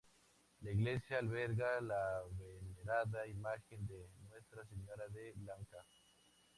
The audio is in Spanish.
La iglesia alberga la venerada imagen de Nuestra Señora de Lanka.